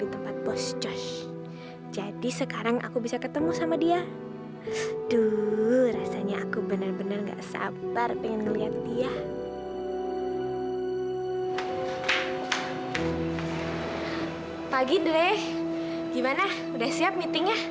kebohongan itu merupakan kesalahan buat kamu